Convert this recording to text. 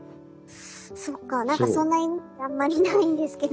そっか何かそんなあんまりないんですけど。